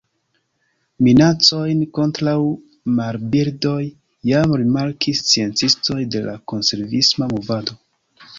Minacojn kontraŭ marbirdoj jam rimarkis sciencistoj de la konservisma movado.